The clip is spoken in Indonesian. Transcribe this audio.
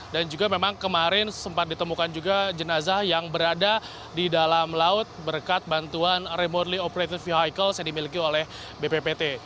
dan juga memang kemarin sempat ditemukan juga jenazah yang berada di dalam laut berkat bantuan remotely operated vehicle yang dimiliki oleh bppt